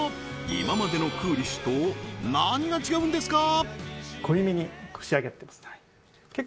今までのクーリッシュと何が違うんですか？